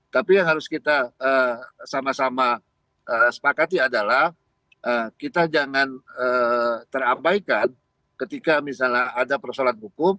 tapi yang harus kita sama sama sepakati adalah kita jangan terabaikan ketika misalnya ada persoalan hukum